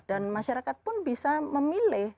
dan masyarakat pun bisa memilih